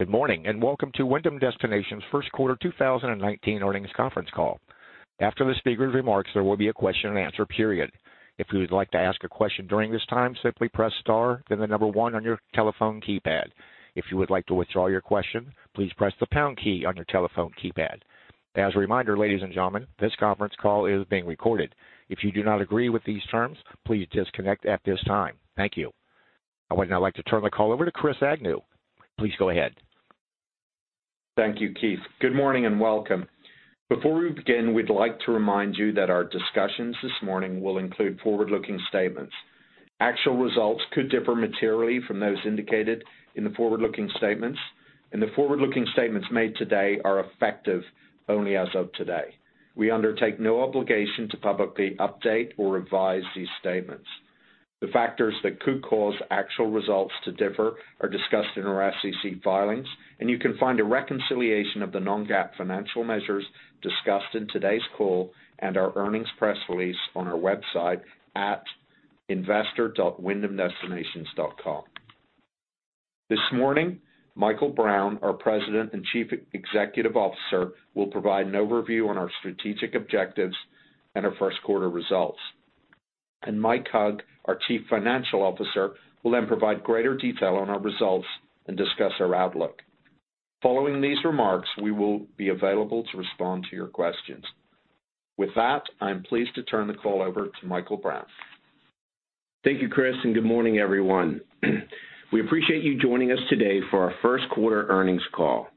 Good morning, and welcome to Wyndham Destinations' first quarter 2019 earnings conference call. After the speakers' remarks, there will be a question and answer period. If you would like to ask a question during this time, simply press star, then 1 on your telephone keypad. If you would like to withdraw your question, please press the pound key on your telephone keypad. As a reminder, ladies and gentlemen, this conference call is being recorded. If you do not agree with these terms, please disconnect at this time. Thank you. I would now like to turn the call over to Christopher Agnew. Please go ahead. Thank you, Keith. Good morning, and welcome. Before we begin, we'd like to remind you that our discussions this morning will include forward-looking statements. Actual results could differ materially from those indicated in the forward-looking statements, and the forward-looking statements made today are effective only as of today. We undertake no obligation to publicly update or revise these statements. The factors that could cause actual results to differ are discussed in our SEC filings, and you can find a reconciliation of the non-GAAP financial measures discussed in today's call and our earnings press release on our website at investor.wyndhamdestinations.com. This morning, Michael Brown, our President and Chief Executive Officer, will provide an overview on our strategic objectives and our first quarter results. Mike Hug, our Chief Financial Officer, will then provide greater detail on our results and discuss our outlook. Following these remarks, we will be available to respond to your questions. With that, I'm pleased to turn the call over to Michael Brown. Thank you, Chris, and good morning, everyone. We appreciate you joining us today for our first quarter earnings call.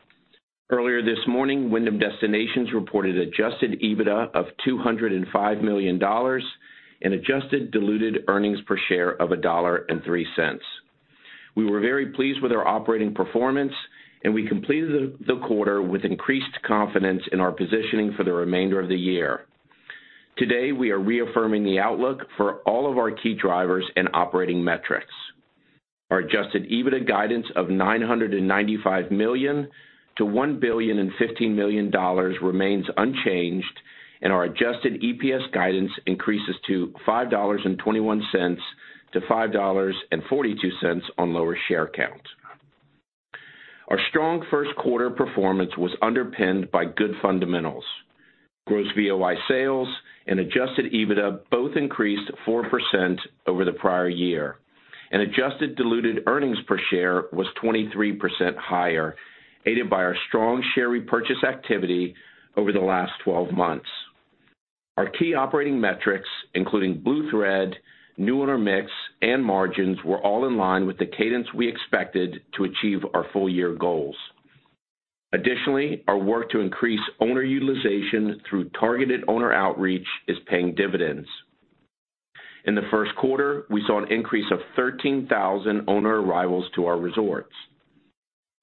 Earlier this morning, Wyndham Destinations reported adjusted EBITDA of $205 million and adjusted diluted earnings per share of $1.03. We were very pleased with our operating performance, and we completed the quarter with increased confidence in our positioning for the remainder of the year. Today, we are reaffirming the outlook for all of our key drivers and operating metrics. Our adjusted EBITDA guidance of $995 million-$1.015 billion remains unchanged, and our adjusted EPS guidance increases to $5.21-$5.42 on lower share count. Our strong first quarter performance was underpinned by good fundamentals. Gross VOI sales and adjusted EBITDA both increased 4% over the prior year, and adjusted diluted earnings per share was 23% higher, aided by our strong share repurchase activity over the last 12 months. Our key operating metrics, including Blue Thread, new owner mix, and margins, were all in line with the cadence we expected to achieve our full year goals. Additionally, our work to increase owner utilization through targeted owner outreach is paying dividends. In the first quarter, we saw an increase of 13,000 owner arrivals to our resorts.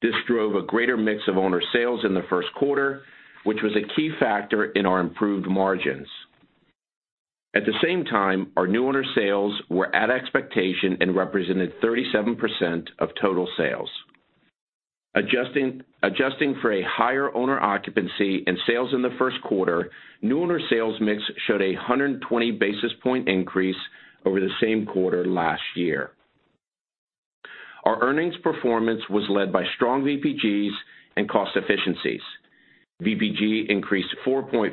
This drove a greater mix of owner sales in the first quarter, which was a key factor in our improved margins. At the same time, our new owner sales were at expectation and represented 37% of total sales. Adjusting for a higher owner occupancy and sales in the first quarter, new owner sales mix showed a 120 basis point increase over the same quarter last year. Our earnings performance was led by strong VPGs and cost efficiencies. VPG increased 4.5%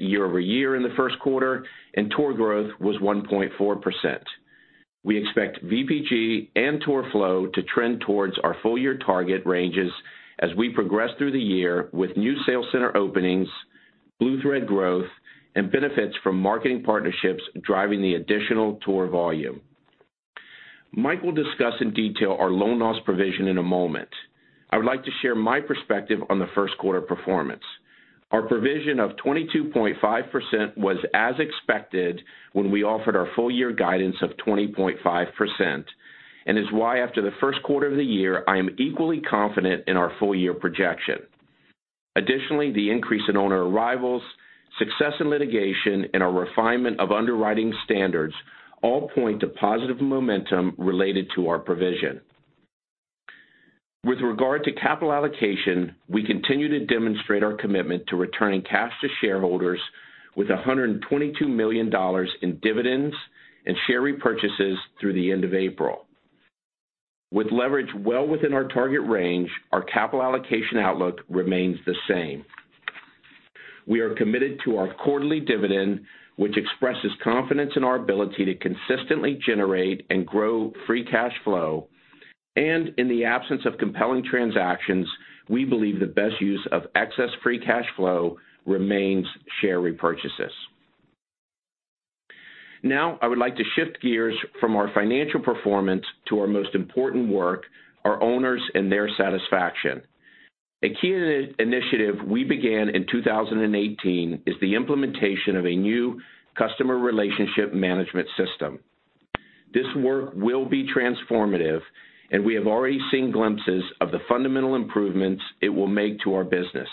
year-over-year in the first quarter, and tour growth was 1.4%. We expect VPG and tour flow to trend towards our full year target ranges as we progress through the year with new sales center openings, Blue Thread growth, and benefits from marketing partnerships driving the additional tour volume. Mike will discuss in detail our loan loss provision in a moment. I would like to share my perspective on the first quarter performance. Our provision of 22.5% was as expected when we offered our full year guidance of 20.5%, and is why after the first quarter of the year, I am equally confident in our full year projection. Additionally, the increase in owner arrivals, success in litigation, and our refinement of underwriting standards all point to positive momentum related to our provision. With regard to capital allocation, we continue to demonstrate our commitment to returning cash to shareholders with $122 million in dividends and share repurchases through the end of April. With leverage well within our target range, our capital allocation outlook remains the same. We are committed to our quarterly dividend, which expresses confidence in our ability to consistently generate and grow free cash flow. In the absence of compelling transactions, we believe the best use of excess free cash flow remains share repurchases. Now, I would like to shift gears from our financial performance to our most important work, our owners and their satisfaction. A key initiative we began in 2018 is the implementation of a new customer relationship management system. This work will be transformative, and we have already seen glimpses of the fundamental improvements it will make to our business.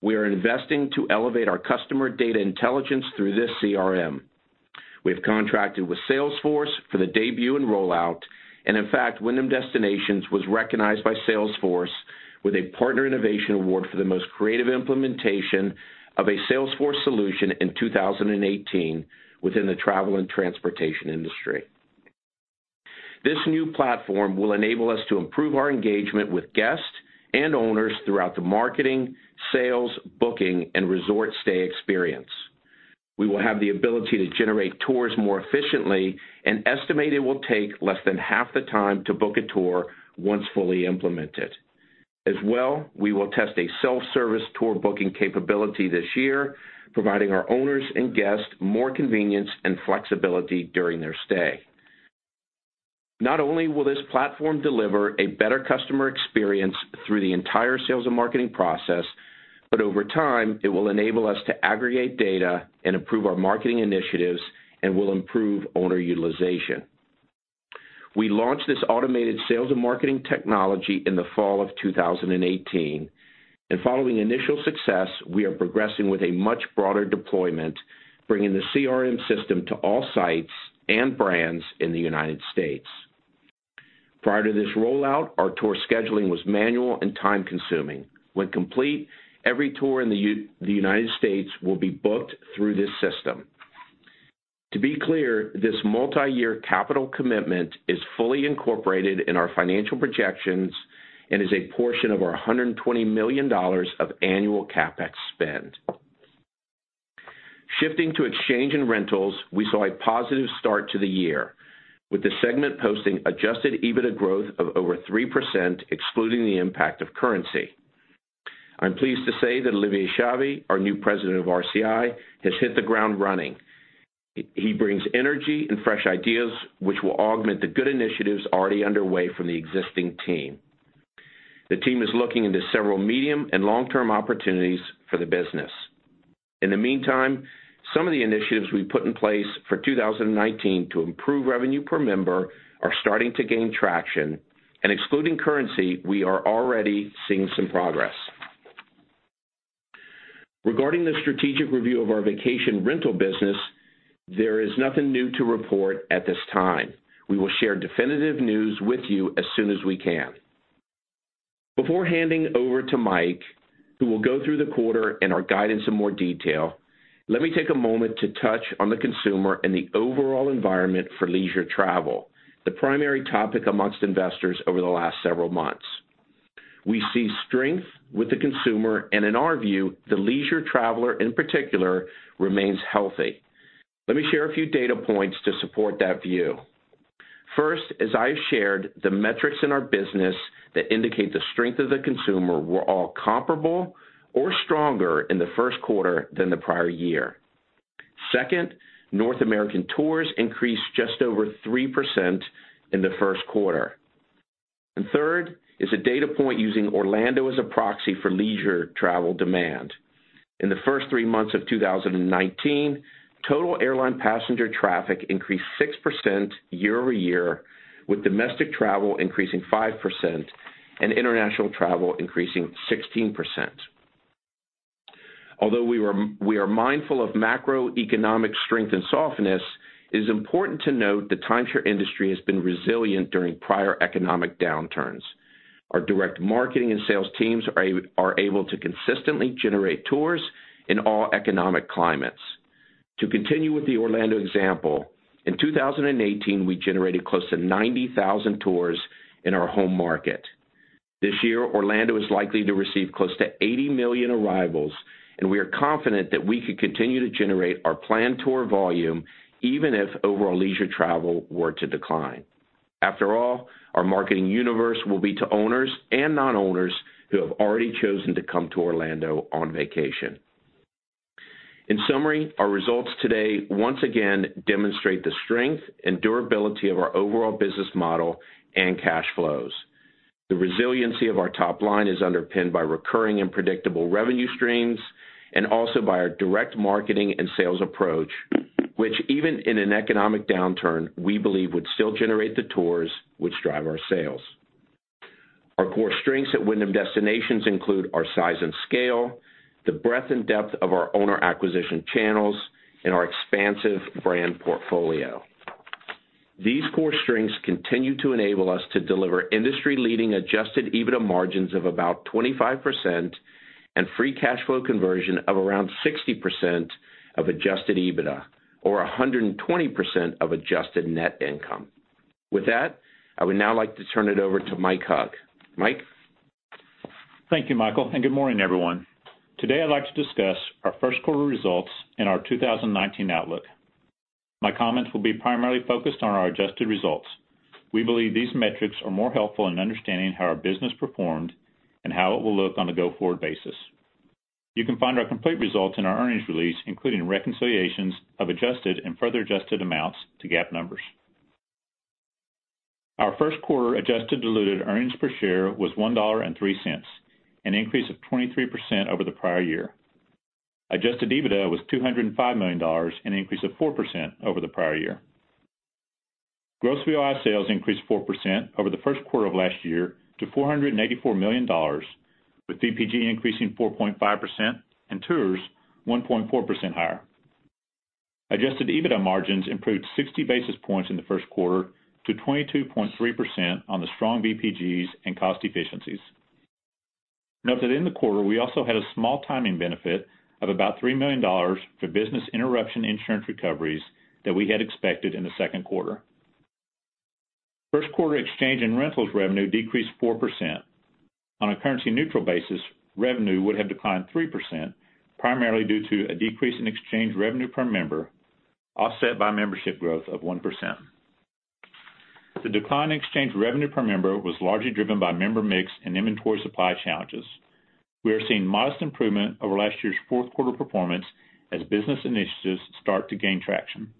We are investing to elevate our customer data intelligence through this CRM. We have contracted with Salesforce for the debut and rollout. In fact, Wyndham Destinations was recognized by Salesforce with a Partner Innovation Award for the most creative implementation of a Salesforce solution in 2018 within the travel and transportation industry. This new platform will enable us to improve our engagement with guests and owners throughout the marketing, sales, booking, and resort stay experience. We will have the ability to generate tours more efficiently and estimate it will take less than half the time to book a tour once fully implemented. As well, we will test a self-service tour booking capability this year, providing our owners and guests more convenience and flexibility during their stay. Not only will this platform deliver a better customer experience through the entire sales and marketing process, but over time, it will enable us to aggregate data and improve our marketing initiatives and will improve owner utilization. We launched this automated sales and marketing technology in the fall of 2018. Following initial success, we are progressing with a much broader deployment, bringing the CRM system to all sites and brands in the U.S. Prior to this rollout, our tour scheduling was manual and time-consuming. When complete, every tour in the U.S. will be booked through this system. To be clear, this multi-year capital commitment is fully incorporated in our financial projections and is a portion of our $120 million of annual CapEx spend. Shifting to exchange and rentals, we saw a positive start to the year, with the segment posting adjusted EBITDA growth of over 3%, excluding the impact of currency. I'm pleased to say that Olivier Chavy, our new president of RCI, has hit the ground running. He brings energy and fresh ideas, which will augment the good initiatives already underway from the existing team. The team is looking into several medium and long-term opportunities for the business. In the meantime, some of the initiatives we put in place for 2019 to improve revenue per member are starting to gain traction. Excluding currency, we are already seeing some progress. Regarding the strategic review of our vacation rental business, there is nothing new to report at this time. We will share definitive news with you as soon as we can. Before handing over to Mike, who will go through the quarter and our guidance in more detail, let me take a moment to touch on the consumer and the overall environment for leisure travel, the primary topic amongst investors over the last several months. We see strength with the consumer. In our view, the leisure traveler in particular remains healthy. Let me share a few data points to support that view. First, as I shared, the metrics in our business that indicate the strength of the consumer were all comparable or stronger in the first quarter than the prior year. Second, North American tours increased just over 3% in the first quarter. Third is a data point using Orlando as a proxy for leisure travel demand. In the first three months of 2019, total airline passenger traffic increased 6% year-over-year, with domestic travel increasing 5% and international travel increasing 16%. Although we are mindful of macroeconomic strength and softness, it is important to note the timeshare industry has been resilient during prior economic downturns. Our direct marketing and sales teams are able to consistently generate tours in all economic climates. To continue with the Orlando example, in 2018, we generated close to 90,000 tours in our home market. This year, Orlando is likely to receive close to 80 million arrivals. We are confident that we could continue to generate our planned tour volume even if overall leisure travel were to decline. After all, our marketing universe will be to owners and non-owners who have already chosen to come to Orlando on vacation. In summary, our results today once again demonstrate the strength and durability of our overall business model and cash flows. The resiliency of our top line is underpinned by recurring and predictable revenue streams and also by our direct marketing and sales approach, which even in an economic downturn, we believe would still generate the tours which drive our sales. Our core strengths at Wyndham Destinations include our size and scale, the breadth and depth of our owner acquisition channels, and our expansive brand portfolio. These core strengths continue to enable us to deliver industry-leading adjusted EBITDA margins of about 25% and free cash flow conversion of around 60% of adjusted EBITDA or 120% of adjusted net income. With that, I would now like to turn it over to Mike Hug. Mike? Thank you, Michael, and good morning, everyone. Today, I'd like to discuss our first quarter results and our 2019 outlook. My comments will be primarily focused on our adjusted results. We believe these metrics are more helpful in understanding how our business performed and how it will look on a go-forward basis. You can find our complete results in our earnings release, including reconciliations of adjusted and further adjusted amounts to GAAP numbers. Our first quarter adjusted diluted earnings per share was $1.03, an increase of 23% over the prior year. Adjusted EBITDA was $205 million, an increase of 4% over the prior year. Gross VOI sales increased 4% over the first quarter of last year to $484 million, with VPG increasing 4.5% and tours 1.4% higher. Adjusted EBITDA margins improved 60 basis points in the first quarter to 22.3% on the strong VPGs and cost efficiencies. Note that in the quarter, we also had a small timing benefit of about $3 million for business interruption insurance recoveries that we had expected in the second quarter. First quarter exchange and rentals revenue decreased 4%. On a currency-neutral basis, revenue would have declined 3%, primarily due to a decrease in exchange revenue per member, offset by membership growth of 1%. The decline in exchange revenue per member was largely driven by member mix and inventory supply challenges. We are seeing modest improvement over last year's fourth quarter performance as business initiatives start to gain traction.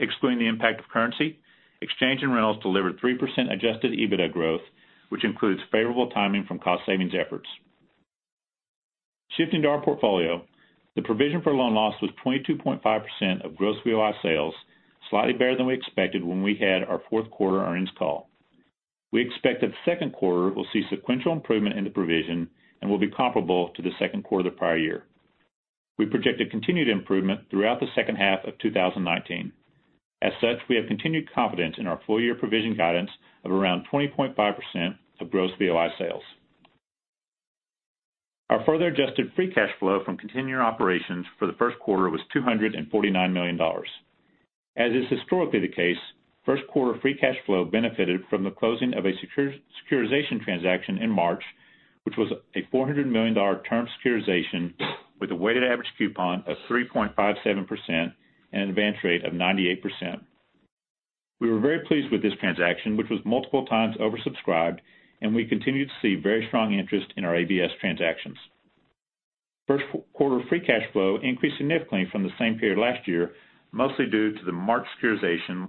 Excluding the impact of currency, exchange and rentals delivered 3% adjusted EBITDA growth, which includes favorable timing from cost savings efforts. Shifting to our portfolio, the provision for loan loss was 22.5% of gross VOI sales, slightly better than we expected when we had our fourth quarter earnings call. We expect that the second quarter will see sequential improvement in the provision and will be comparable to the second quarter of the prior year. We project a continued improvement throughout the second half of 2019. As such, we have continued confidence in our full-year provision guidance of around 20.5% of gross VOI sales. Our further adjusted free cash flow from continuing operations for the first quarter was $249 million. As is historically the case, first quarter free cash flow benefited from the closing of a securitization transaction in March, which was a $400 million term securitization with a weighted average coupon of 3.57% and an advance rate of 98%. We were very pleased with this transaction, which was multiple times oversubscribed, and we continue to see very strong interest in our ABS transactions. First quarter free cash flow increased significantly from the same period last year, mostly due to the March securitization,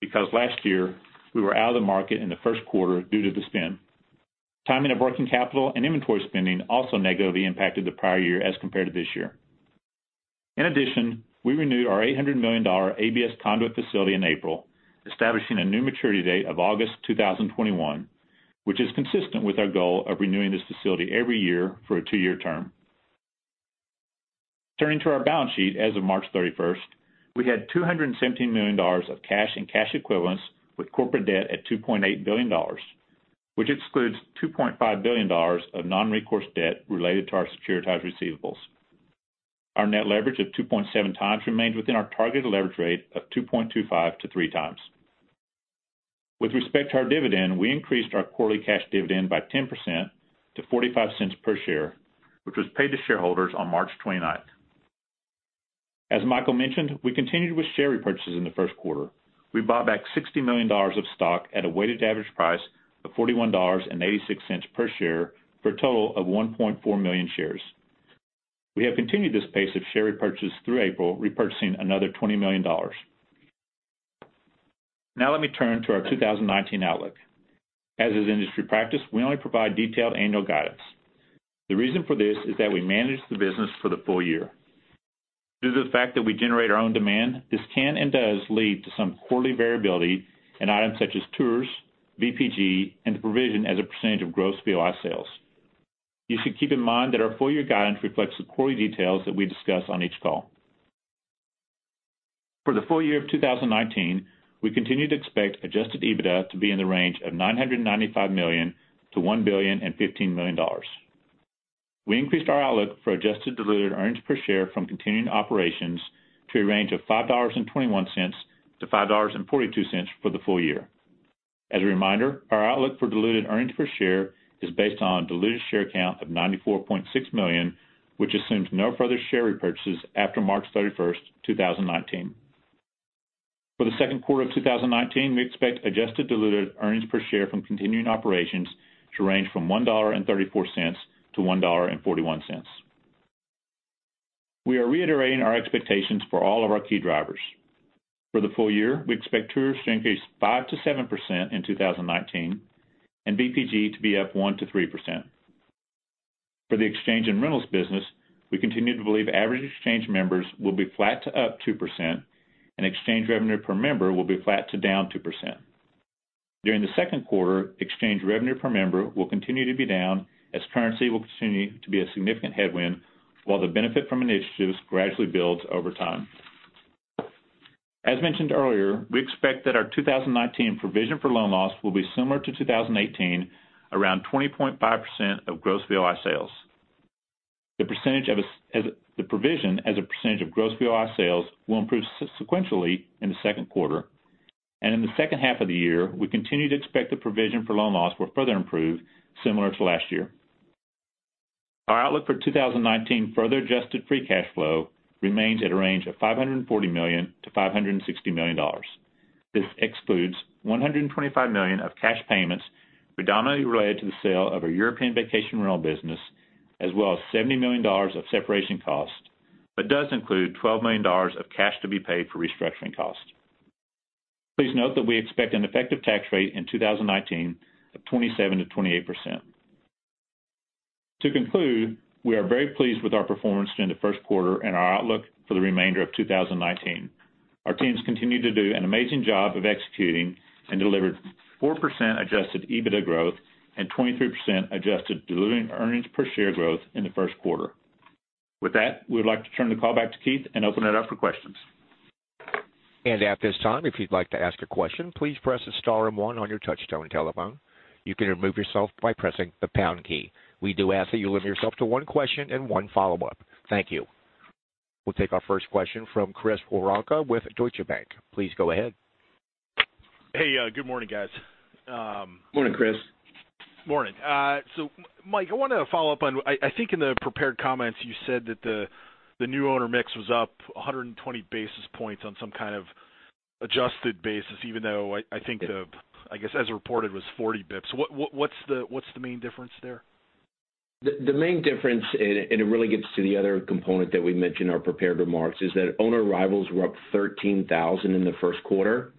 because last year we were out of the market in the first quarter due to the spin. Timing of working capital and inventory spending also negatively impacted the prior year as compared to this year. In addition, we renewed our $800 million ABS conduit facility in April, establishing a new maturity date of August 2021, which is consistent with our goal of renewing this facility every year for a two-year term. Turning to our balance sheet as of March 31st, we had $217 million of cash and cash equivalents with corporate debt at $2.8 billion, which excludes $2.5 billion of non-recourse debt related to our securitized receivables. Our net leverage of 2.7 times remains within our targeted leverage rate of 2.25-3 times. With respect to our dividend, we increased our quarterly cash dividend by 10% to $0.45 per share, which was paid to shareholders on March 29th. As Michael mentioned, we continued with share repurchases in the first quarter. We bought back $60 million of stock at a weighted average price of $41.86 per share for a total of 1.4 million shares. We have continued this pace of share repurchase through April, repurchasing another $20 million. Now let me turn to our 2019 outlook. As is industry practice, we only provide detailed annual guidance. The reason for this is that we manage the business for the full year. Due to the fact that we generate our own demand, this can and does lead to some quarterly variability in items such as tours, VPG, and the provision as a percentage of gross VOI sales. You should keep in mind that our full-year guidance reflects the quarterly details that we discuss on each call. For the full year of 2019, we continue to expect adjusted EBITDA to be in the range of $995 million to $1.015 million. We increased our outlook for adjusted diluted earnings per share from continuing operations to a range of $5.21-$5.42 for the full year. As a reminder, our outlook for diluted earnings per share is based on a diluted share count of 94.6 million, which assumes no further share repurchases after March 31st, 2019. For the second quarter of 2019, we expect adjusted diluted earnings per share from continuing operations to range from $1.34-$1.41. We are reiterating our expectations for all of our key drivers. For the full year, we expect tours to increase 5%-7% in 2019 and VPG to be up 1%-3%. For the exchange and rentals business, we continue to believe average exchange members will be flat to +2% and exchange revenue per member will be flat to -2%. During the second quarter, exchange revenue per member will continue to be down as currency will continue to be a significant headwind, while the benefit from initiatives gradually builds over time. As mentioned earlier, we expect that our 2019 provision for loan loss will be similar to 2018, around 20.5% of gross VOI sales. The provision as a percentage of gross VOI sales will improve sequentially in the second quarter. In the second half of the year, we continue to expect the provision for loan loss will further improve similar to last year. Our outlook for 2019 further adjusted free cash flow remains at a range of $540 million-$560 million. This excludes $125 million of cash payments predominantly related to the sale of our European vacation rental business, as well as $70 million of separation costs, but does include $12 million of cash to be paid for restructuring costs. Please note that we expect an effective tax rate in 2019 of 27%-28%. To conclude, we are very pleased with our performance during the first quarter and our outlook for the remainder of 2019. Our teams continue to do an amazing job of executing and delivered 4% adjusted EBITDA growth and 23% adjusted diluted earnings per share growth in the first quarter. With that, we would like to turn the call back to Keith and open it up for questions. At this time, if you'd like to ask a question, please press star and one on your touchtone telephone. You can remove yourself by pressing the pound key. We do ask that you limit yourself to one question and one follow-up. Thank you. We'll take our first question from Chris Woronka with Deutsche Bank. Please go ahead. Hey, good morning, guys. Morning, Chris. Mike, I wanted to follow up on, I think in the prepared comments, you said that the new owner mix was up 120 basis points on some kind of adjusted basis, even though I think the Yeah I guess as reported, was 40 basis points. What's the main difference there? The main difference, it really gets to the other component that we mentioned in our prepared remarks, is that owner arrivals were up 13,000 in the first quarter.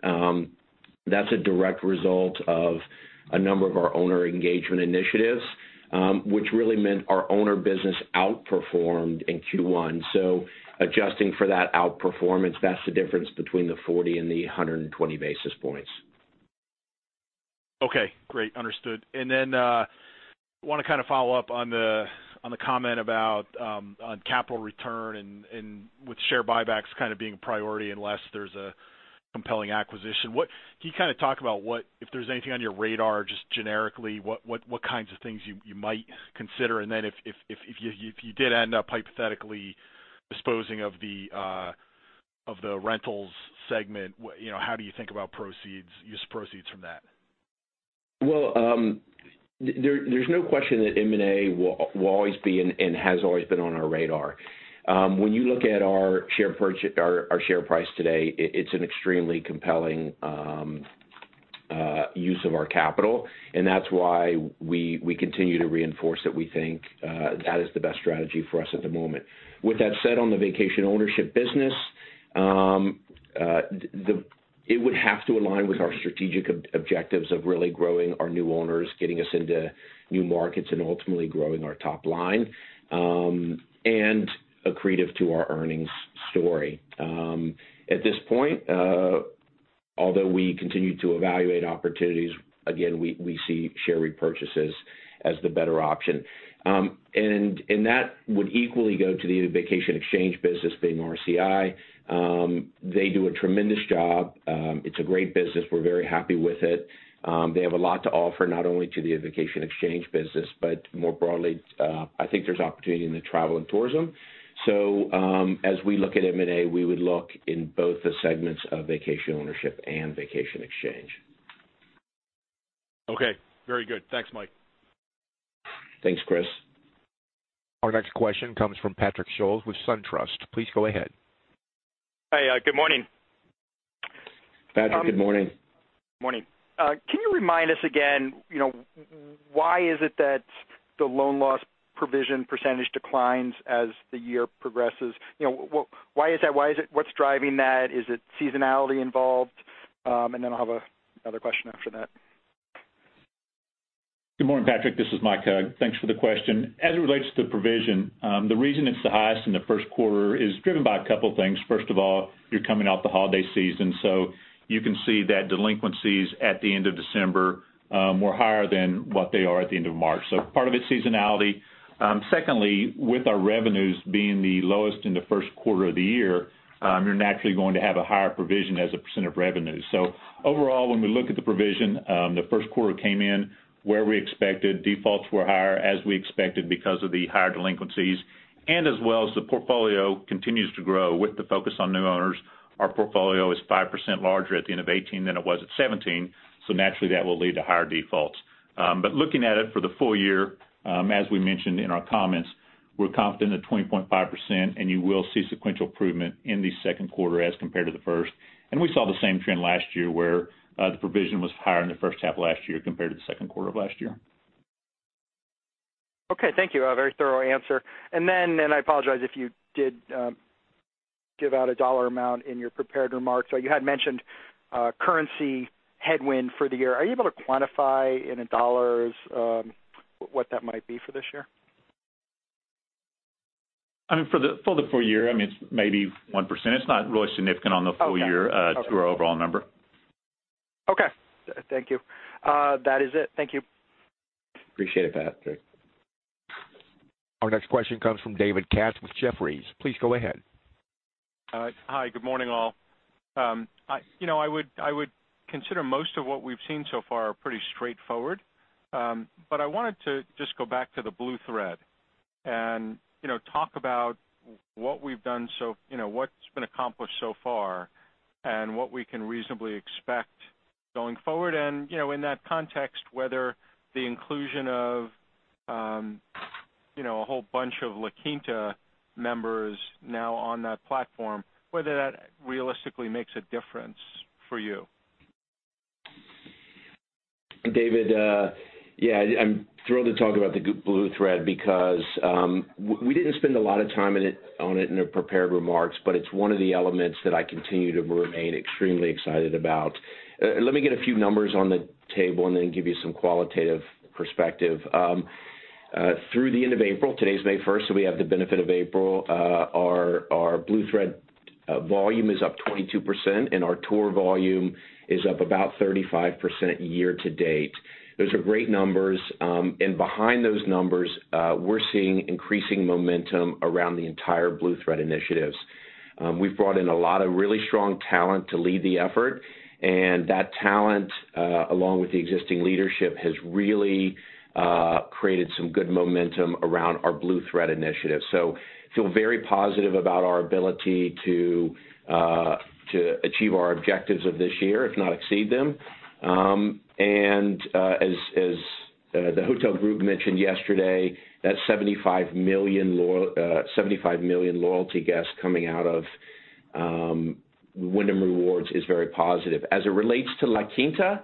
That's a direct result of a number of our owner engagement initiatives, which really meant our owner business outperformed in Q1. Adjusting for that outperformance, that's the difference between the 40 and the 120 basis points. Understood. I want to follow up on the comment about capital return and with share buybacks kind of being a priority unless there's a compelling acquisition. Can you talk about what, if there's anything on your radar, just generically, what kinds of things you might consider? If you did end up hypothetically disposing of the rentals segment, how do you think about use proceeds from that? There's no question that M&A will always be and has always been on our radar. When you look at our share price today, it's an extremely compelling use of our capital, and that's why we continue to reinforce that we think that is the best strategy for us at the moment. With that said, on the vacation ownership business, it would have to align with our strategic objectives of really growing our new owners, getting us into new markets, and ultimately growing our top line, and accretive to our earnings story. At this point, although we continue to evaluate opportunities, again, we see share repurchases as the better option. That would equally go to the vacation exchange business being RCI. They do a tremendous job. It's a great business. We're very happy with it. They have a lot to offer, not only to the vacation exchange business, but more broadly I think there's opportunity in the travel and tourism. As we look at M&A, we would look in both the segments of vacation ownership and vacation exchange. Very good. Thanks, Mike. Thanks, Chris. Our next question comes from Patrick Scholes with SunTrust. Please go ahead. Hey, good morning. Patrick, good morning. Morning. Can you remind us again, why is it that the loan loss provision percentage declines as the year progresses? Why is that? What's driving that? Is it seasonality involved? I'll have another question after that. Good morning, Patrick. This is Mike Hug. Thanks for the question. As it relates to provision, the reason it's the highest in the first quarter is driven by a couple things. First of all, you're coming off the holiday season, you can see that delinquencies at the end of December were higher than what they are at the end of March. Part of it is seasonality. Secondly, with our revenues being the lowest in the first quarter of the year, you're naturally going to have a higher provision as a percent of revenue. Overall, when we look at the provision, the first quarter came in where we expected. Defaults were higher as we expected because of the higher delinquencies and as well as the portfolio continues to grow with the focus on new owners. Our portfolio is 5% larger at the end of 2018 than it was at 2017, naturally, that will lead to higher defaults. Looking at it for the full year, as we mentioned in our comments, we're confident at 20.5%, and you will see sequential improvement in the second quarter as compared to the first. We saw the same trend last year where the provision was higher in the first half of last year compared to the second quarter of last year. Okay, thank you. A very thorough answer. I apologize if you did give out a dollar amount in your prepared remarks. You had mentioned currency headwind for the year. Are you able to quantify in dollars what that might be for this year? For the full year, it's maybe 1%. It's not really significant on the full year. Okay To our overall number. Okay. Thank you. That is it. Thank you. Appreciate it, Patrick. Our next question comes from David Katz with Jefferies. Please go ahead. Hi. Good morning, all. I would consider most of what we've seen so far pretty straightforward. I wanted to just go back to the BlueThread and talk about what's been accomplished so far and what we can reasonably expect going forward and, in that context, whether the inclusion of a whole bunch of La Quinta members now on that platform, whether that realistically makes a difference for you. David, yeah, I'm thrilled to talk about the BlueThread because we didn't spend a lot of time on it in the prepared remarks, but it's one of the elements that I continue to remain extremely excited about. Let me get a few numbers on the table and then give you some qualitative perspective. Through the end of April, today's May 1st, so we have the benefit of April, our BlueThread volume is up 22%, and our tour volume is up about 35% year-to-date. Those are great numbers. Behind those numbers, we're seeing increasing momentum around the entire BlueThread initiatives. We've brought in a lot of really strong talent to lead the effort, and that talent, along with the existing leadership, has really created some good momentum around our BlueThread initiative. Feel very positive about our ability to achieve our objectives of this year, if not exceed them. And as the hotel group mentioned yesterday, that $75 million loyalty guests coming out of Wyndham Rewards is very positive. As it relates to La Quinta,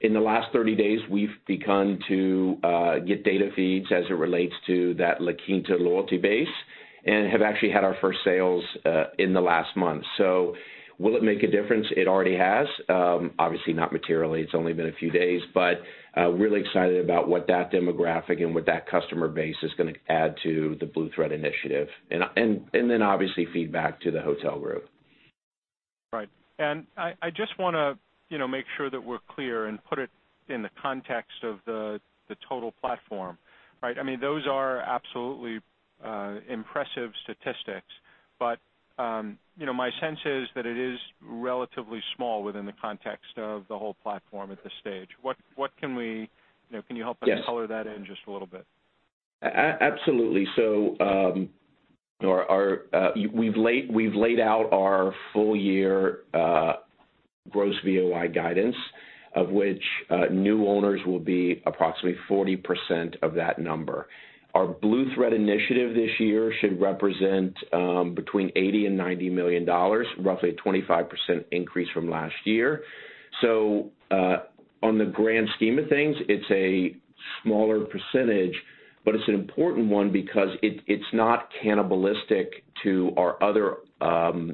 in the last 30 days, we've begun to get data feeds as it relates to that La Quinta loyalty base and have actually had our first sales in the last month. Will it make a difference? It already has. Obviously not materially, it's only been a few days, but really excited about what that demographic and what that customer base is going to add to the BlueThread initiative, and then obviously feedback to the hotel group. Right. I just want to make sure that we're clear and put it in the context of the total platform, right? Those are absolutely impressive statistics, my sense is that it is relatively small within the context of the whole platform at this stage. Can you help me color that in just a little bit? Absolutely. We've laid out our full year gross VOI guidance, of which new owners will be approximately 40% of that number. Our Blue Thread initiative this year should represent between $80 million and $90 million, roughly a 25% increase from last year. On the grand scheme of things, it's a smaller percentage, it's an important one because it's not cannibalistic to our other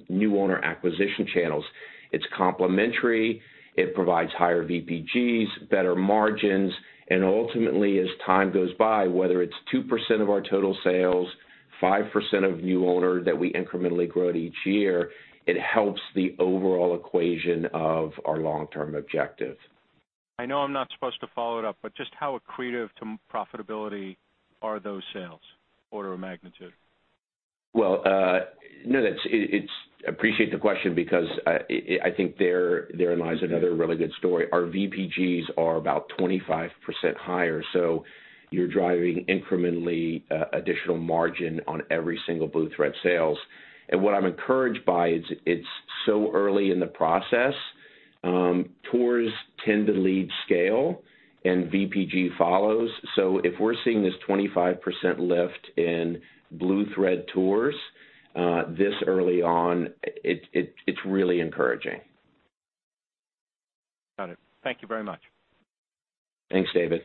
new owner acquisition channels. It's complementary. It provides higher VPGs, better margins, and ultimately, as time goes by, whether it's 2% of our total sales, 5% of new owner that we incrementally grow at each year, it helps the overall equation of our long-term objective. I know I'm not supposed to follow it up, just how accretive to profitability are those sales, order of magnitude? Well, I appreciate the question because I think therein lies another really good story. Our VPGs are about 25% higher, you're driving incrementally additional margin on every single Blue Thread sales. What I'm encouraged by is it's so early in the process. Tours tend to lead scale and VPG follows. If we're seeing this 25% lift in Blue Thread tours this early on, it's really encouraging. Got it. Thank you very much. Thanks, David.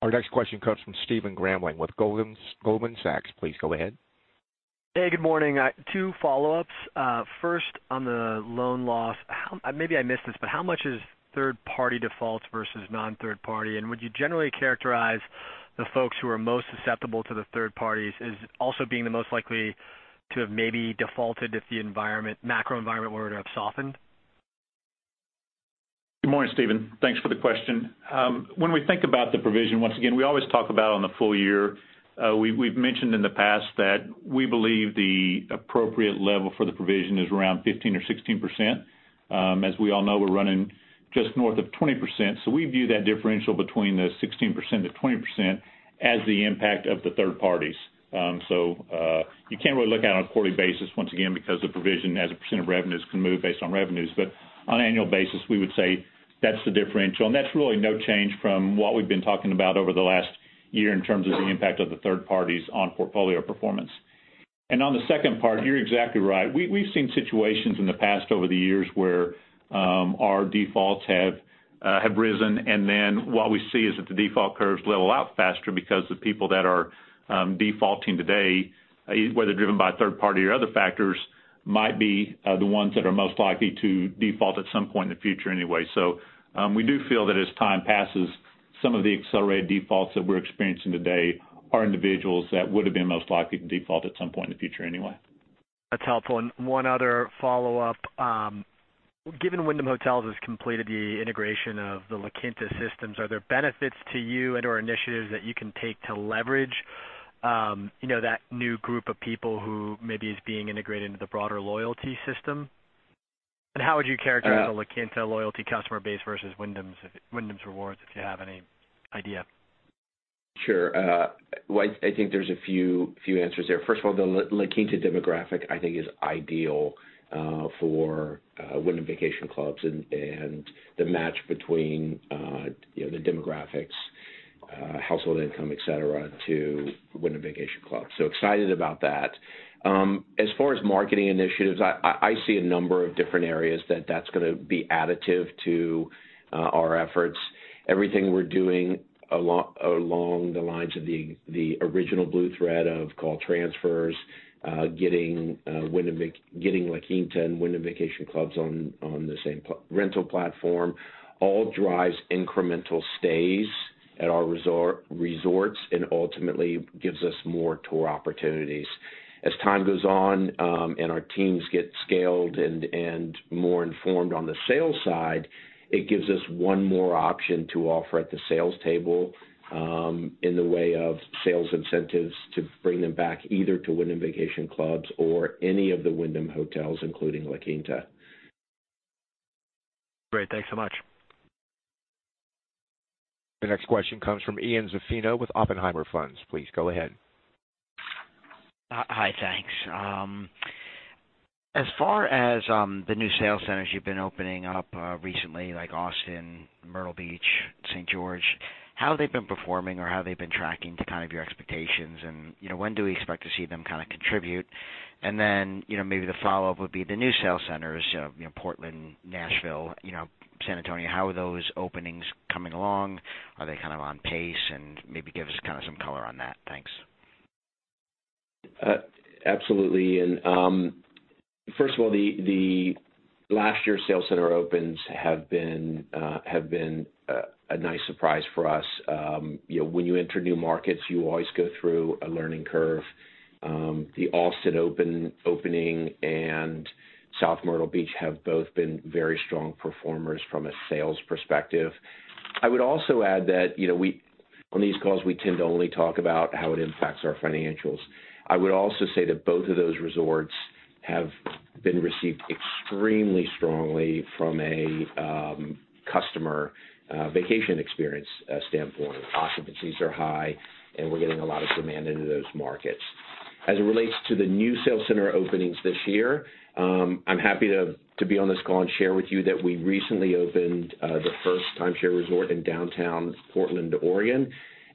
Our next question comes from Stephen Grambling with Goldman Sachs. Please go ahead. Hey, good morning. Two follow-ups. First on the loan loss. Maybe I missed this, but how much is third party defaults versus non-third party? And would you generally characterize the folks who are most susceptible to the third parties as also being the most likely to have maybe defaulted if the macro environment were to have softened? Good morning, Stephen. Thanks for the question. When we think about the provision, once again, we always talk about on the full year. We've mentioned in the past that we believe the appropriate level for the provision is around 15% or 16%. As we all know, we're running just north of 20%, so we view that differential between the 16%-20% as the impact of the third parties. You can't really look at it on a quarterly basis, once again, because the provision as a percent of revenues can move based on revenues. On an annual basis, we would say that's the differential, and that's really no change from what we've been talking about over the last year in terms of the impact of the third parties on portfolio performance. On the second part, you're exactly right. We've seen situations in the past over the years where our defaults have risen, and then what we see is that the default curves level out faster because the people that are defaulting today, whether driven by third party or other factors, might be the ones that are most likely to default at some point in the future anyway. We do feel that as time passes, some of the accelerated defaults that we're experiencing today are individuals that would've been most likely to default at some point in the future anyway. That's helpful, and one other follow-up. Given Wyndham Hotels has completed the integration of the La Quinta systems, are there benefits to you and/or initiatives that you can take to leverage that new group of people who maybe is being integrated into the broader loyalty system? How would you characterize the La Quinta loyalty customer base versus Wyndham Rewards, if you have any idea? Sure. I think there's a few answers there. First of all, the La Quinta demographic, I think is ideal for Wyndham Vacation Clubs and the match between the demographics, household income, et cetera, to Wyndham Vacation Clubs, so excited about that. As far as marketing initiatives, I see a number of different areas that that's going to be additive to our efforts. Everything we're doing along the lines of the original Blue Thread of call transfers, getting La Quinta and Wyndham Vacation Clubs on the same rental platform all drives incremental stays at our resorts and ultimately gives us more tour opportunities. As time goes on and our teams get scaled and more informed on the sales side, it gives us one more option to offer at the sales table in the way of sales incentives to bring them back either to Wyndham Vacation Clubs or any of the Wyndham Hotels, including La Quinta. Great. Thanks so much. The next question comes from Ian Zaffino with OppenheimerFunds. Please go ahead. Hi. Thanks. As far as the new sales centers you've been opening up recently, like Austin, Myrtle Beach, St. George, how have they been performing or how have they been tracking to kind of your expectations and when do we expect to see them kind of contribute? Then, maybe the follow-up would be the new sales centers, Portland, Nashville, San Antonio. How are those openings coming along? Are they kind of on pace? And maybe give us kind of some color on that. Thanks. Absolutely. First of all, the last year's sales center opens have been a nice surprise for us. When you enter new markets, you always go through a learning curve. The Austin opening and South Myrtle Beach have both been very strong performers from a sales perspective. I would also add that on these calls, we tend to only talk about how it impacts our financials. I would also say that both of those resorts have been received extremely strongly from a customer vacation experience standpoint. Occupancies are high, and we're getting a lot of demand into those markets. As it relates to the new sales center openings this year, I'm happy to be on this call and share with you that we recently opened the first timeshare resort in downtown Portland, Oregon,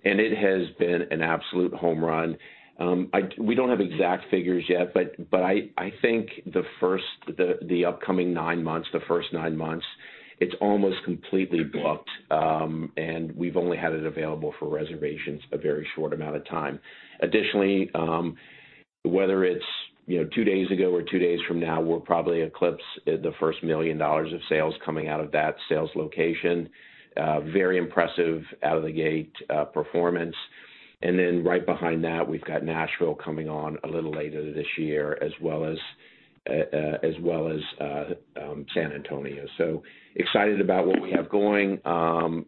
and it has been an absolute home run. We don't have exact figures yet, but I think the upcoming nine months, the first nine months, it's almost completely booked, and we've only had it available for reservations a very short amount of time. Additionally, whether it's two days ago or two days from now, we'll probably eclipse the first $1 million of sales coming out of that sales location. Very impressive out of the gate performance. Right behind that, we've got Nashville coming on a little later this year, as well as San Antonio. Excited about what we have going.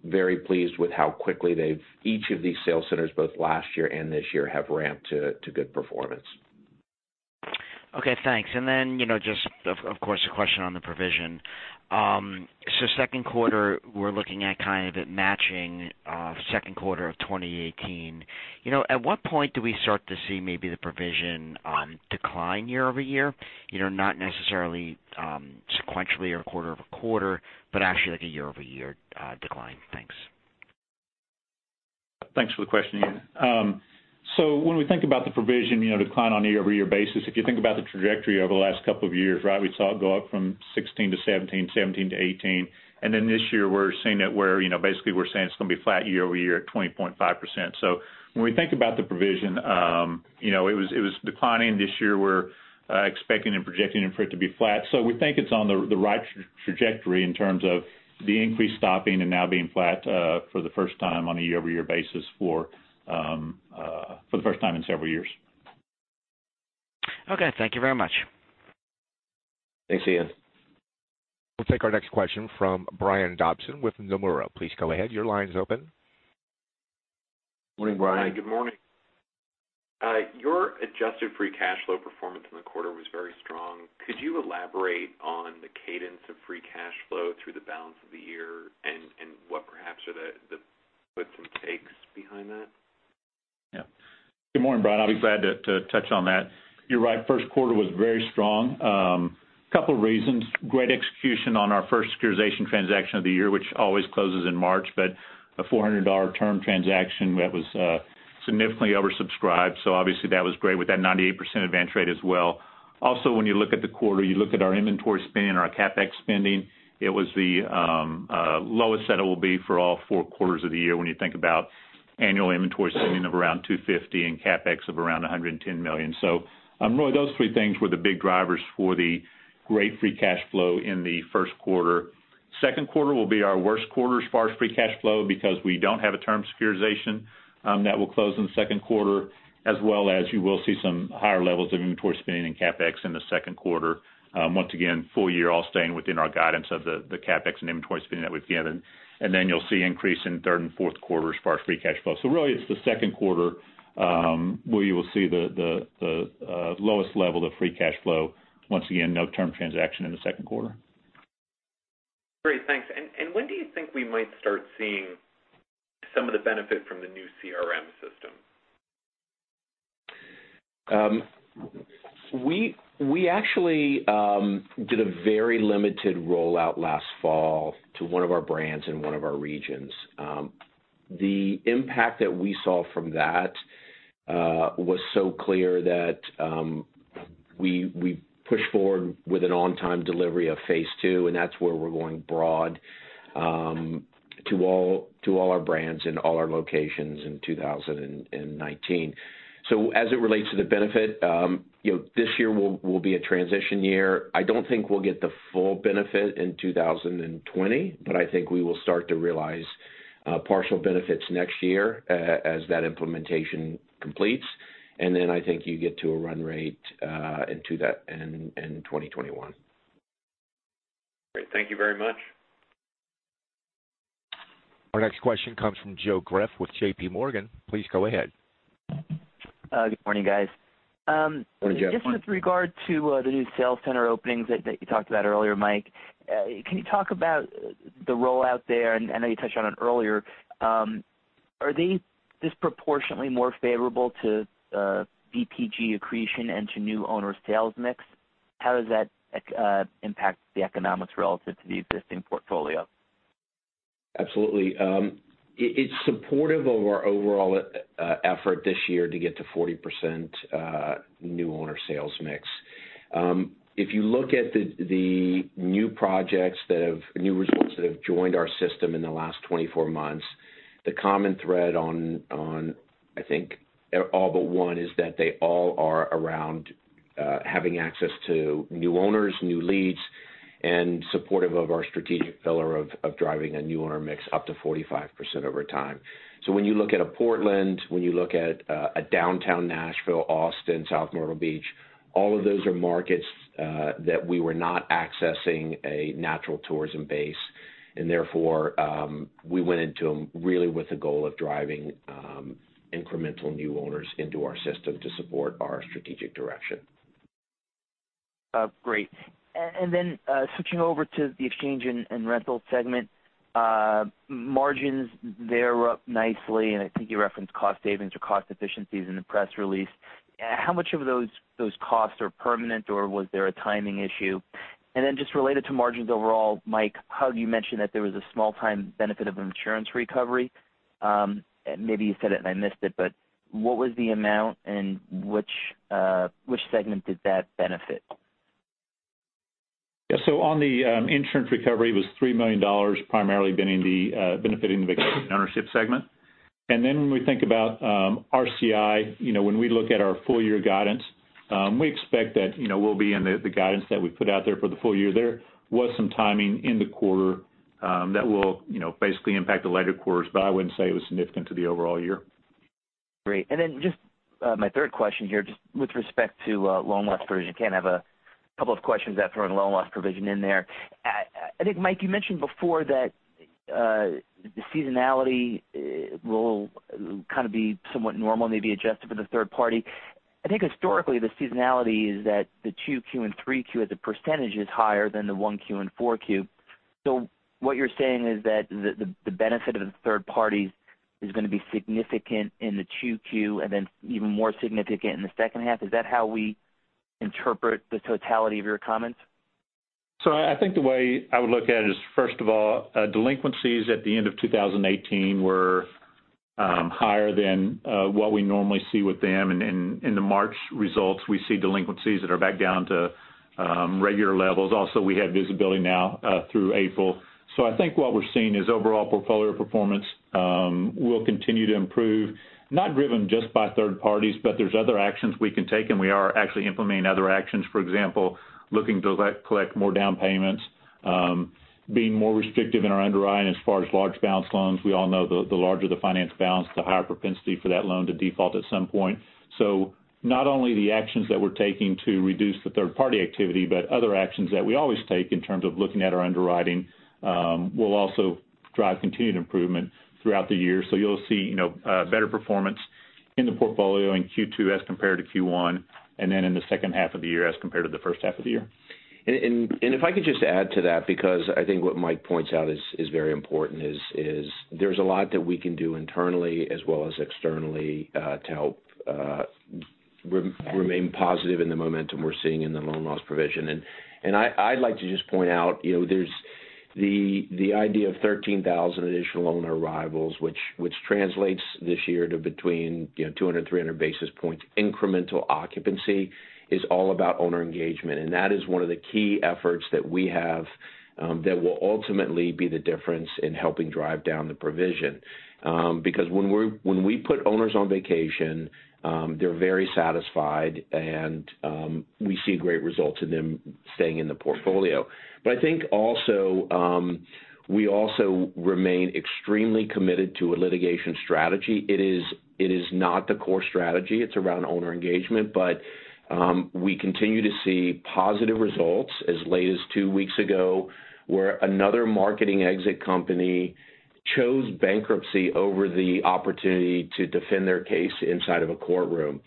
Very pleased with how quickly each of these sales centers, both last year and this year, have ramped to good performance. Okay, thanks. Just of course, a question on the provision. Second quarter, we're looking at kind of it matching second quarter of 2018. At what point do we start to see maybe the provision decline year-over-year? Not necessarily sequentially or quarter-over-quarter, but actually like a year-over-year decline. Thanks. Thanks for the question, Ian. When we think about the provision decline on a year-over-year basis, if you think about the trajectory over the last couple of years, right? We saw it go up from 2016 to 2017 to 2018. This year we're seeing that basically we're saying it's going to be flat year-over-year at 20.5%. When we think about the provision, it was declining. This year we're expecting and projecting it for it to be flat. We think it's on the right trajectory in terms of the increase stopping and now being flat for the first time on a year-over-year basis for the first time in several years. Okay. Thank you very much. Thanks, Ian. We'll take our next question from Brian Dobson with Nomura. Please go ahead. Your line is open. Morning, Brian. Good morning. Your adjusted free cash flow performance in the quarter was very strong. Could you elaborate on the cadence of free cash flow through the balance of the year and what perhaps are the gives and takes behind that? Good morning, Brian. I'll be glad to touch on that. You're right, first quarter was very strong. Couple reasons. Great execution on our first securitization transaction of the year, which always closes in March, a $400 term transaction that was significantly oversubscribed. Obviously that was great with that 98% advance rate as well. Also, when you look at the quarter, you look at our inventory spending and our CapEx spending, it was the lowest that it will be for all four quarters of the year when you think about annual inventory spending of around $250 and CapEx of around $110 million. Really those three things were the big drivers for the great free cash flow in the first quarter. Second quarter will be our worst quarter as far as free cash flow because we don't have a term securitization that will close in the second quarter, as well as you will see some higher levels of inventory spending and CapEx in the second quarter. Once again, full year all staying within our guidance of the CapEx and inventory spending that we've given. You'll see increase in third and fourth quarter as far as free cash flow. Really it's the second quarter where you will see the lowest level of free cash flow. Once again, no term transaction in the second quarter. Great. Thanks. When do you think we might start seeing some of the benefit from the new CRM system? We actually did a very limited rollout last fall to one of our brands in one of our regions. The impact that we saw from that was so clear that we pushed forward with an on-time delivery of phase two. That's where we're going broad to all our brands in all our locations in 2019. As it relates to the benefit, this year will be a transition year. I don't think we'll get the full benefit in 2020, but I think we will start to realize partial benefits next year as that implementation completes. I think you get to a run rate into that in 2021. Great. Thank you very much. Our next question comes from Joe Greff with J.P. Morgan. Please go ahead. Good morning, guys. Morning, Joe. With regard to the new sales center openings that you talked about earlier, Mike, can you talk about the rollout there? I know you touched on it earlier. Are these disproportionately more favorable to VPG accretion and to new owner sales mix? How does that impact the economics relative to the existing portfolio? Absolutely. It's supportive of our overall effort this year to get to 40% new owner sales mix. If you look at the new results that have joined our system in the last 24 months, the common thread on, I think, all but one is that they all are around having access to new owners, new leads, and supportive of our strategic pillar of driving a new owner mix up to 45% over time. When you look at a Portland, when you look at a downtown Nashville, Austin, South Myrtle Beach, all of those are markets that we were not accessing a natural tourism base, therefore, we went into them really with the goal of driving incremental new owners into our system to support our strategic direction. Great. Switching over to the exchange and rental segment. Margins there were up nicely, and I think you referenced cost savings or cost efficiencies in the press release. How much of those costs are permanent or was there a timing issue? Just related to margins overall, Mike, You mentioned that there was a small-time benefit of insurance recovery. Maybe you said it and I missed it, but what was the amount and which segment did that benefit? On the insurance recovery, it was $3 million primarily benefiting the Vacation Ownership segment. When we think about RCI, when we look at our full-year guidance, we expect that we'll be in the guidance that we put out there for the full year. There was some timing in the quarter that will basically impact the later quarters, I wouldn't say it was significant to the overall year. Great. Just my third question here, just with respect to loan loss provision. You can't have a couple of questions without throwing loan loss provision in there. I think, Mike, you mentioned before that the seasonality will kind of be somewhat normal, maybe adjusted for the third party. I think historically, the seasonality is that the 2Q and 3Q as a percentage is higher than the 1Q and 4Q. What you're saying is that the benefit of the third parties is going to be significant in the 2Q and then even more significant in the second half. Is that how we interpret the totality of your comments? I think the way I would look at it is, first of all, delinquencies at the end of 2018 were higher than what we normally see with them. In the March results, we see delinquencies that are back down to regular levels. Also, we have visibility now through April. I think what we're seeing is overall portfolio performance will continue to improve, not driven just by third parties, but there's other actions we can take, and we are actually implementing other actions. For example, looking to collect more down payments, being more restrictive in our underwriting as far as large balance loans. We all know the larger the finance balance, the higher propensity for that loan to default at some point. Not only the actions that we're taking to reduce the third party activity, but other actions that we always take in terms of looking at our underwriting will also drive continued improvement throughout the year. You'll see better performance in the portfolio in Q2 as compared to Q1, and then in the second half of the year as compared to the first half of the year. If I could just add to that, because I think what Mike points out is very important, there's a lot that we can do internally as well as externally to help remain positive in the momentum we're seeing in the loan loss provision. I'd like to just point out, there's the idea of 13,000 additional owner arrivals, which translates this year to between 200-300 basis points. Incremental occupancy is all about owner engagement, and that is one of the key efforts that we have that will ultimately be the difference in helping drive down the provision. Because when we put owners on vacation, they're very satisfied and we see great results in them staying in the portfolio. I think also, we also remain extremely committed to a litigation strategy. It is not the core strategy. It's around owner engagement. We continue to see positive results as late as two weeks ago, where another marketing exit company chose bankruptcy over the opportunity to defend their case inside of a courtroom.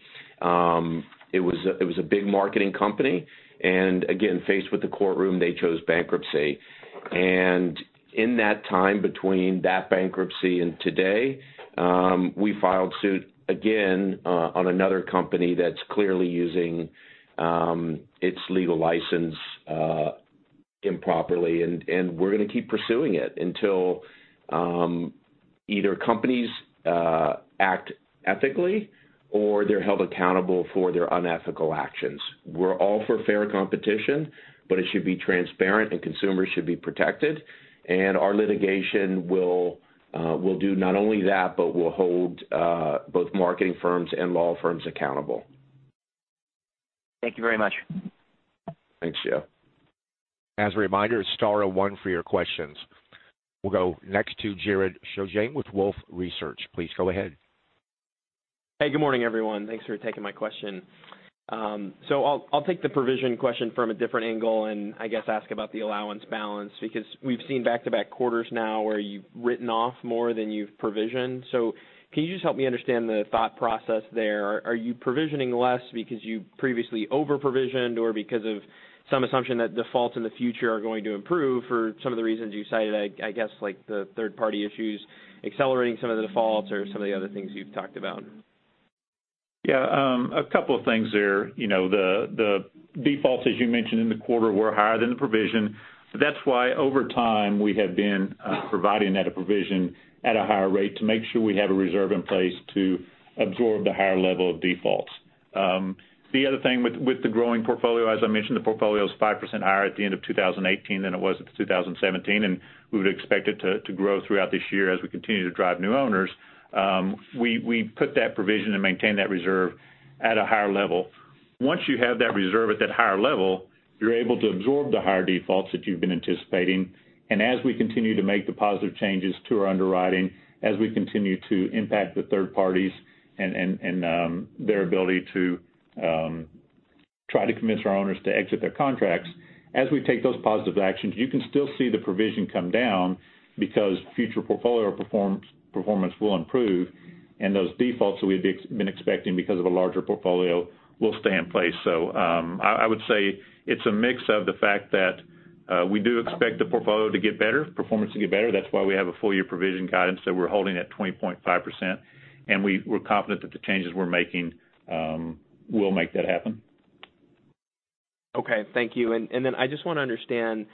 It was a big marketing company, and again, faced with the courtroom, they chose bankruptcy. In that time between that bankruptcy and today, we filed suit again on another company that's clearly using its legal license improperly, and we're going to keep pursuing it until either companies act ethically or they're held accountable for their unethical actions. We're all for fair competition, but it should be transparent and consumers should be protected. Our litigation will do not only that, but will hold both marketing firms and law firms accountable. Thank you very much. Thanks, Joe. As a reminder, it's star 01 for your questions. We'll go next to Jared Shojaian with Wolfe Research. Please go ahead. Hey, good morning, everyone. Thanks for taking my question. I'll take the provision question from a different angle and I guess ask about the allowance balance, because we've seen back-to-back quarters now where you've written off more than you've provisioned. Can you just help me understand the thought process there? Are you provisioning less because you previously over-provisioned or because of some assumption that defaults in the future are going to improve for some of the reasons you cited, I guess, like the third-party issues accelerating some of the defaults or some of the other things you've talked about? A couple of things there. The defaults, as you mentioned in the quarter, were higher than the provision. That's why over time we have been providing that provision at a higher rate to make sure we have a reserve in place to absorb the higher level of defaults. The other thing with the growing portfolio, as I mentioned, the portfolio was 5% higher at the end of 2018 than it was at 2017, and we would expect it to grow throughout this year as we continue to drive new owners. We put that provision and maintain that reserve at a higher level. Once you have that reserve at that higher level, you're able to absorb the higher defaults that you've been anticipating. As we continue to make the positive changes to our underwriting, as we continue to impact the third parties and their ability to try to convince our owners to exit their contracts, as we take those positive actions, you can still see the provision come down because future portfolio performance will improve, and those defaults that we've been expecting because of a larger portfolio will stay in place. I would say it's a mix of the fact that we do expect the portfolio to get better, performance to get better. That's why we have a full-year provision guidance that we're holding at 20.5%, and we're confident that the changes we're making will make that happen. Okay. Thank you. I just want to understand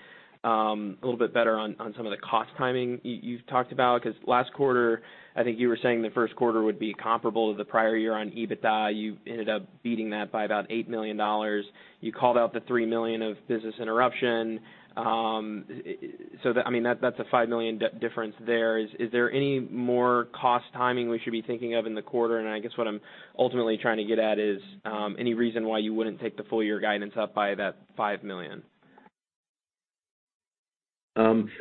a little bit better on some of the cost timing you've talked about, because last quarter, I think you were saying the first quarter would be comparable to the prior year on EBITDA. You ended up beating that by about $8 million. You called out the $3 million of business interruption. That's a $5 million difference there. Is there any more cost timing we should be thinking of in the quarter? I guess what I'm ultimately trying to get at is, any reason why you wouldn't take the full year guidance up by that $5 million?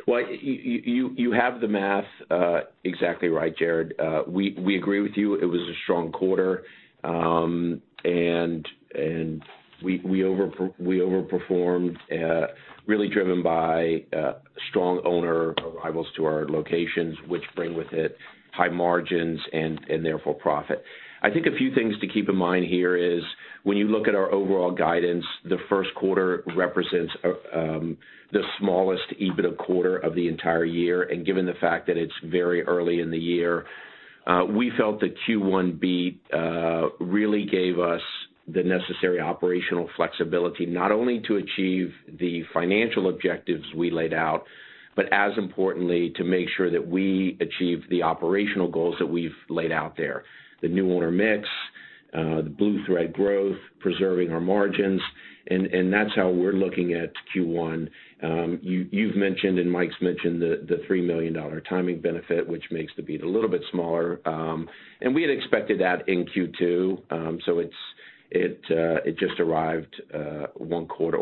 Well, you have the math exactly right, Jared. We agree with you. It was a strong quarter. We overperformed, really driven by strong owner arrivals to our locations, which bring with it high margins and therefore profit. I think a few things to keep in mind here is when you look at our overall guidance, the first quarter represents the smallest EBITDA quarter of the entire year. Given the fact that it's very early in the year, we felt that Q1 beat really gave us the necessary operational flexibility, not only to achieve the financial objectives we laid out, but as importantly, to make sure that we achieve the operational goals that we've laid out there. The new owner mix, the Blue Thread growth, preserving our margins, that's how we're looking at Q1. You've mentioned, Mike's mentioned the $3 million timing benefit, which makes the beat a little bit smaller. We had expected that in Q2, it just arrived one quarter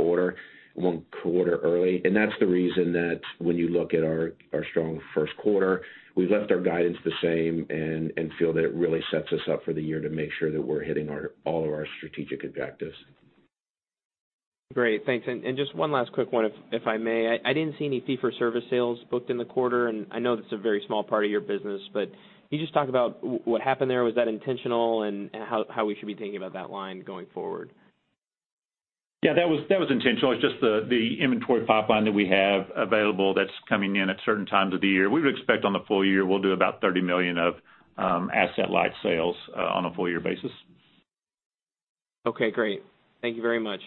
early. That's the reason that when you look at our strong first quarter, we left our guidance the same and feel that it really sets us up for the year to make sure that we're hitting all of our strategic objectives. Great. Thanks. Just one last quick one, if I may. I didn't see any fee for service sales booked in the quarter, I know that's a very small part of your business, but can you just talk about what happened there? Was that intentional, and how we should be thinking about that line going forward? Yeah, that was intentional. It's just the inventory pipeline that we have available that's coming in at certain times of the year. We would expect on the full year, we'll do about $30 million of asset light sales on a full year basis. Okay, great. Thank you very much.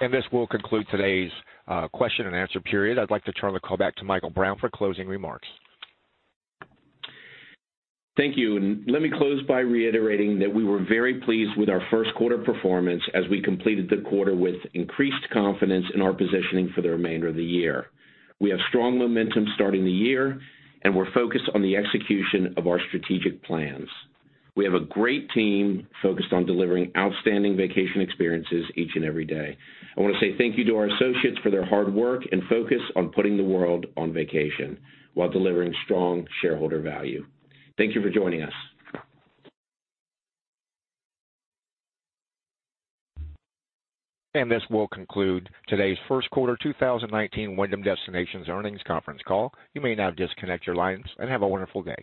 This will conclude today's question and answer period. I'd like to turn the call back to Michael Brown for closing remarks. Thank you. Let me close by reiterating that we were very pleased with our first quarter performance as we completed the quarter with increased confidence in our positioning for the remainder of the year. We have strong momentum starting the year, and we're focused on the execution of our strategic plans. We have a great team focused on delivering outstanding vacation experiences each and every day. I want to say thank you to our associates for their hard work and focus on putting the world on vacation while delivering strong shareholder value. Thank you for joining us. This will conclude today's first quarter 2019 Wyndham Destinations earnings conference call. You may now disconnect your lines and have a wonderful day.